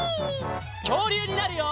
きょうりゅうになるよ！